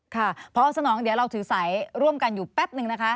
ค่ะพอสนองเดี๋ยวเราถือสายร่วมกันอยู่แป๊บนึงนะคะ